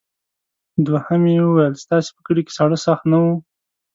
دوهم یې وویل ستاسې په کلي کې ساړه سخت نه وو.